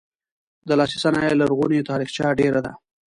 د لاسي صنایعو لرغونې تاریخچه ډیره ده.